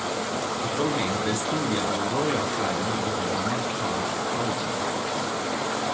Attualmente studia alla Royal Academy of Dramatic Art a Londra.